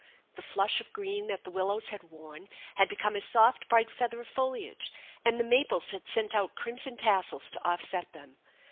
The flush of green that the willows had worn had become a soft, bright feather of foliage, and the maples had sent out crimson tassels to offset them.